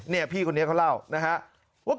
นี่พี่คนนี้เขาเล่านะครับว่า